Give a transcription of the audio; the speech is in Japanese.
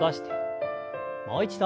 もう一度。